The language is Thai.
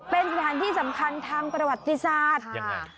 เป็นสถานที่สำคัญทางประวัติศาสตร์ยังไง